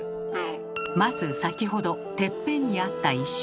まず先ほどてっぺんにあった石。